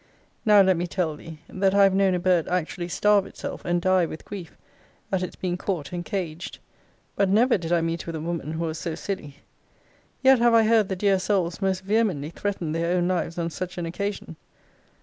Now let me tell thee, that I have known a bird actually starve itself, and die with grief, at its being caught and caged. But never did I meet with a woman who was so silly. Yet have I heard the dear souls most vehemently threaten their own lives on such an occasion.